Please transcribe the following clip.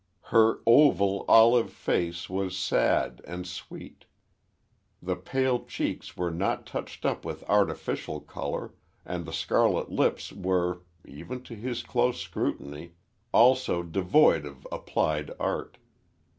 Her oval, olive face was sad and sweet. The pale cheeks were not touched up with artificial color, and the scarlet lips were, even to his close scrutiny, also devoid of applied art.